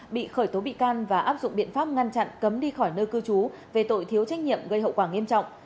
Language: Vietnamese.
bị khởi tố bị can và áp dụng biện pháp ngăn chặn cấm đi khỏi nơi cư trú về tội thiếu trách nhiệm gây hậu quả nghiêm trọng